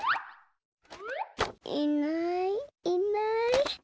いないいない。